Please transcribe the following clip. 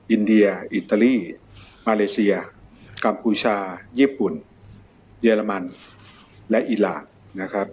อินเดียอิตาลีมาเลเซียกัมพูชาญี่ปุ่นเยอรมันและอีรานนะครับ